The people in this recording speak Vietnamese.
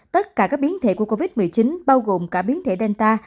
tất cả các biến thể của covid một mươi chín bao gồm cả biến thể delta